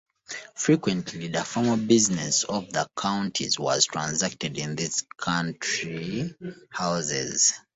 Frequently, the formal business of the counties was transacted in these country houses.